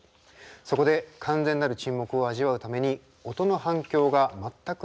そこで完全なる沈黙を味わうために音の反響が全くない無響室に入ります。